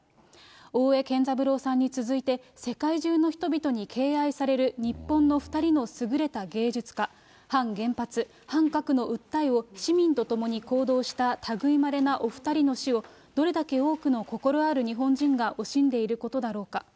大江健三郎さんに続いて、世界中の人々に敬愛される日本の２人の優れた芸術家、反原発、反核の訴えを市民とともに行動したたぐいまれなお２人の死を、どれだけ多くの心ある日本人が惜しんでいることだろうか。